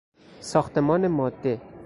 ساختمان ماده